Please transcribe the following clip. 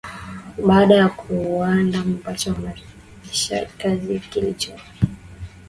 baada ya kuwanda ambacho wanafanyia kazi kilichopo